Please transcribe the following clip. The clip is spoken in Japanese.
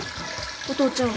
お父ちゃん。